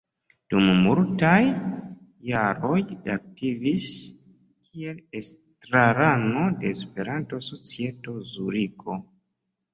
Dum multaj jaroj li aktivis kiel estrarano de Esperanto-Societo Zuriko.